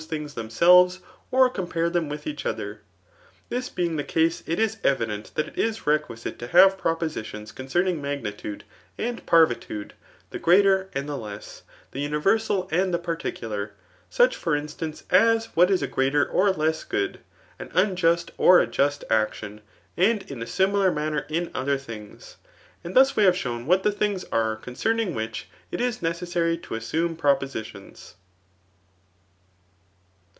HI tfifngs by themselves, or compare them T¥kfi each other, }Xas being the case^ it is evident that it is requisite to have propositions concerning magnitude and parvitude, the greater and the less, the uhiversal and the particulaur ; such for instance as what is a greater or less good, an tin just, or a just action ; and in a similar manner in o(her things. And thus we have shown what the ' things are concerning which it is necessary to assume propositions.